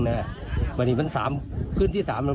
และอ่างมันก็ชายพรรษมาหยุด